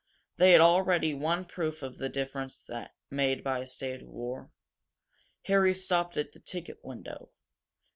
They had already had one proof of the difference made by a state of war. Harry stopped at the ticket window.